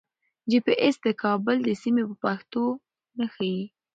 جي پي ایس د کابل سیمې په پښتو نه ښیي.